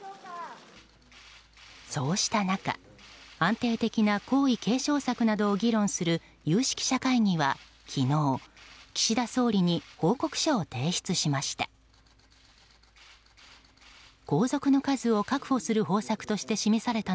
そうした中、安定的な皇位継承策などを議論する有識者会議は昨日岸田総理に報告書を提出しました。